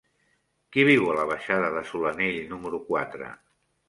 Qui viu a la baixada de Solanell número quatre?